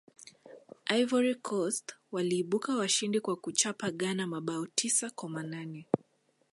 ivory coast waliibuka washindi kwa kuichapa ghana mabao tisa kwa manane